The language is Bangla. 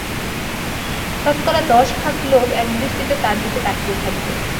শতকরা দশ ভাগ লোক এক দৃষ্টিতে তাঁর দিকে তাকিয়ে থাকবে।